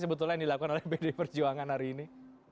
sebetulnya yang dilakukan oleh pdi perjuangan hari ini